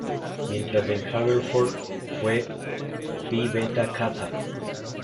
Mientras en Haverford, fue Phi Beta Kappa.